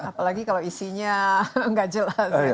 apalagi kalau isinya nggak jelas